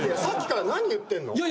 ⁉さっきから何言ってんの？